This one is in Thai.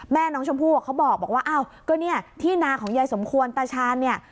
แม่น้องชมพูเขาบอกว่าที่นาของยายสมควรตาชาญ